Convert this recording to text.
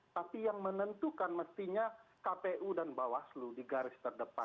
tapi yang menentukan mestinya kpu dan bawaslu di garis terdepan